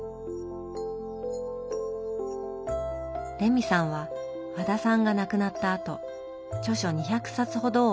レミさんは和田さんが亡くなったあと著書２００冊ほどを集め